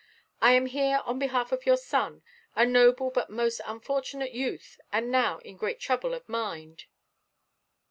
I am here on behalf of your son, a noble but most unfortunate youth, and now in great trouble of mind."